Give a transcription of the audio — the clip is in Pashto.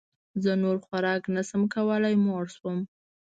زه نور خوراک نه شم کولی موړ شوم